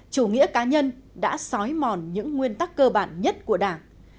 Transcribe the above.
chủ nghĩa cá nhân đã sói mòn những nguyên tắc cơ bản nhất của đảng